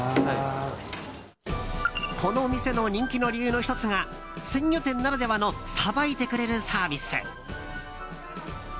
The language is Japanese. この店の人気の理由の１つが鮮魚店ならではのさばいてくれるサービス。